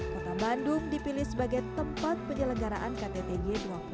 kota bandung dipilih sebagai tempat penyelenggaraan ktt g dua puluh